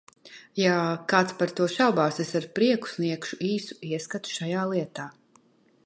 Ja kāds par to šaubās, es ar prieku sniegšu īsu ieskatu šajā lietā.